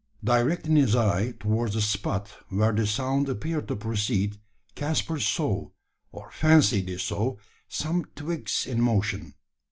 Directing his eye towards the spot where the sound appeared to proceed, Caspar saw, or fancied he saw, some twigs in motion.